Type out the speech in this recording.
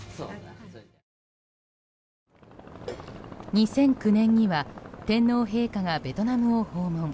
２００９年には天皇陛下がベトナムを訪問。